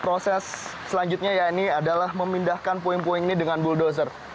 proses selanjutnya ya ini adalah memindahkan puing puing ini dengan bulldozer